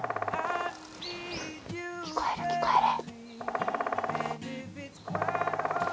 聞こえる聞こえる。